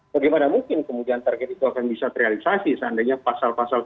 daripada mungkin kemudian target itu akan bisa terrealisasi seandainya pasal pasal itu